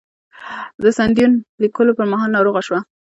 د "سندیتون" لیکلو پر مهال ناروغه شوه.